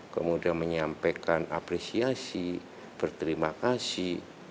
kemudian menyampaikan apresiasi berterima kasih